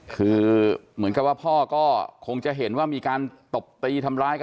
คือเหมือนกับว่าพ่อก็คงจะเห็นว่ามีการตบตีทำร้ายกัน